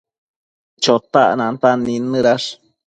Chotac nantan nidnëdash